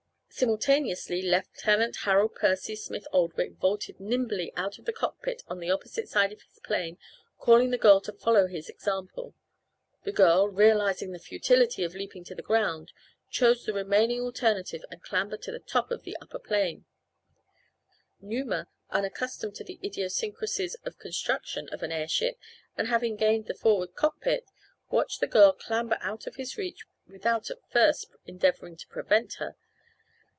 Simultaneously Lieutenant Harold Percy Smith Oldwick vaulted nimbly out of the cockpit on the opposite side of his plane, calling to the girl to follow his example. The girl, realizing the futility of leaping to the ground, chose the remaining alternative and clambered to the top of the upper plane. Numa, unaccustomed to the idiosyncrasies of construction of an airship and having gained the forward cockpit, watched the girl clamber out of his reach without at first endeavoring to prevent her.